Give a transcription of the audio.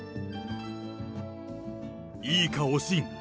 いいか、おしん。